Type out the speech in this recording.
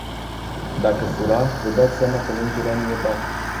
Dacă fura, vă dați seama că nu îmi mai cerea mie bani.